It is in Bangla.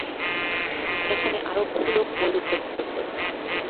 এখানে আরও বহুলোক ঐরূপ করতে প্রস্তুত।